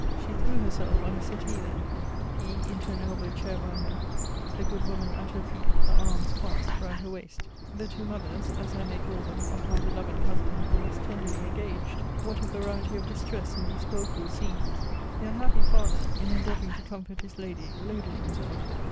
She threw herself on a settee there; he into an elbow chair by her the good woman at her feet, her arms clasped round her waist. The two mothers, I as may call them, of my beloved cousin, thus tenderly engaged! What a variety of distress in these woeful scenes! The unhappy father, in endeavouring to comfort his lady, loaded himself.